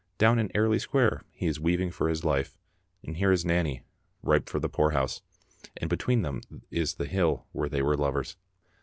Down in Airlie Square he is weaving for his life, and here is Nanny, ripe for the poorhouse, and between them is the hill where they were lovers.